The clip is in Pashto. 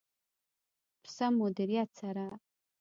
په سم مدیریت سره.